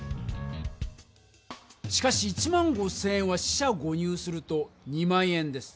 しかし１５０００円は四捨五入すると２万円です。